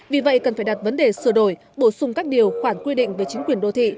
vì vậy cần phải đặt vấn đề sửa đổi bổ sung các điều khoản quy định về chính quyền đô thị